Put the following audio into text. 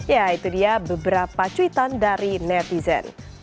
ya itu dia beberapa cuitan dari netizen